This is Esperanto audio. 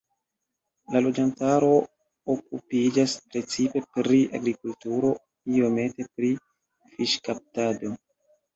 La loĝantaro okupiĝas precipe pri agrikulturo, iomete pri fiŝkaptado.